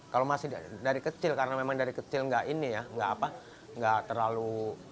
kalau masih dari kecil karena memang dari kecil tidak terlalu